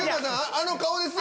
あの顔です。